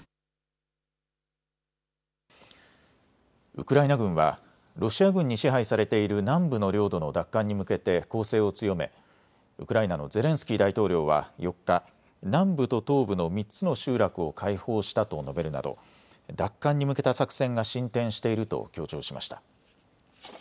ウクライナ軍はロシア軍に支配されている南部の領土の奪還に向けて攻勢を強めウクライナのゼレンスキー大統領は４日、南部と東部の３つの集落を解放したと述べるなど奪還に向けた作戦が進展していると強調しました。